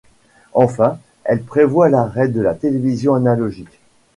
Enfin, elle prévoit l'arrêt de la télévision analogique.